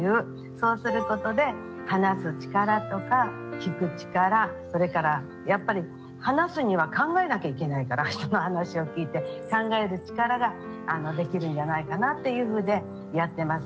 そうすることで話す力とか聞く力それからやっぱり話すには考えなきゃいけないから人の話を聞いて考える力ができるんじゃないかなっていうふうでやってます。